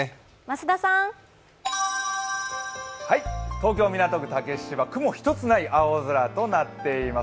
東京・港区竹芝、雲一つない青空となっています。